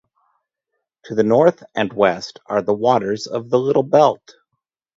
To the north and west are the waters of the Little Belt.